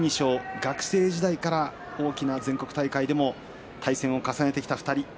学生時代から大きな全国大会でも対戦を重ねてきた２人。